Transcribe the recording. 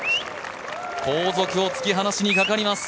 後続を突き放しにかかります。